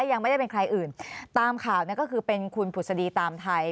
ยังไม่ได้เป็นใครอื่นตามข่าวเนี่ยก็คือเป็นคุณผุศดีตามไทย